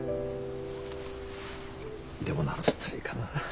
でも何つったらいいかな？